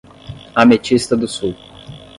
Ametista do Sul